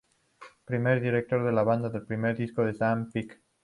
Primer directo de la banda y primer disco sin Dan Peek.